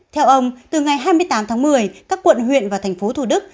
theo ông từ ngày hai mươi tám tháng một mươi các quận huyện và thành phố thủ đức